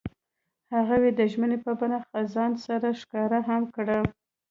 هغوی د ژمنې په بڼه خزان سره ښکاره هم کړه.